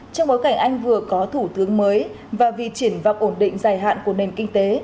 trong bối cảnh anh vừa có thủ tướng mới và vì triển vọng ổn định dài hạn của nền kinh tế